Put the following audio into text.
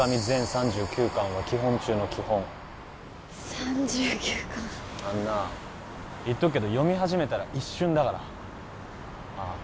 全３９巻は基本中の基本３９巻あのな言っとくけど読み始めたら一瞬だからああ